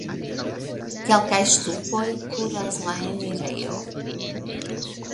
Kelkaj ŝtupoj kuras la enirejo.